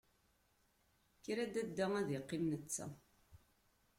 Kker a dadda ad iqqim netta.